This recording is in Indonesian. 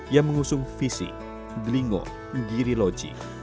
yang mengusung visi ndlingo ngiri loci